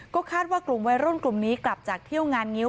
ก็คาดว่ากลุ่มวัยรุ่นกลุ่มนี้กลับจากเที่ยวงานงิ้ว